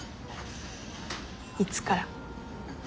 いつから？